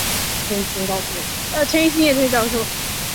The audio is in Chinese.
特纳提名他担任副总理和外事局秘书。